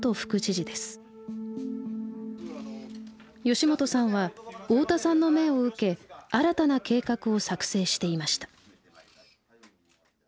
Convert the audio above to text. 吉元さんは大田さんの命を受け新たな計画を作成していました。